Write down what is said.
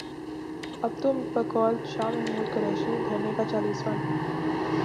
اب تو بقول شاہ محمود قریشی، دھرنے کا چالیسواں بھی